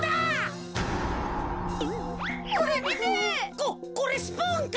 ここれスプーンか？